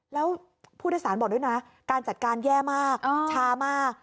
แล้วผู้โดยสารบอกด้วยนะการจัดการแย่มากช้ามาก